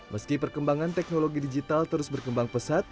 meski perkembangan teknologi digital terus berkembang pesat